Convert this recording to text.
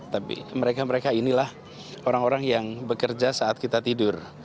tapi mereka mereka inilah orang orang yang bekerja saat kita tidur